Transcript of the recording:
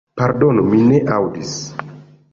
Pardonu, mi ne aŭdis.